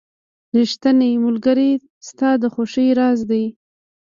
• ریښتینی ملګری ستا د خوښیو راز دی.